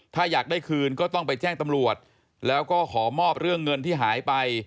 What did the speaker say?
ถ้าอยากได้คืนก็ต้องไปแจ้งตำรวจแล้วก็ขอมอบเรื่องเงินที่หายไป